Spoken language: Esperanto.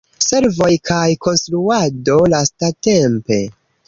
Servoj kaj konstruado lastatempe.